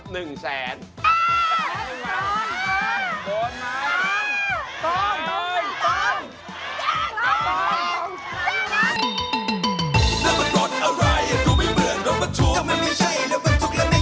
ถ้าไม่รู้โดนร้อง